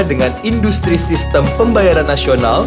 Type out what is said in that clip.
dengan industri sistem pembayaran nasional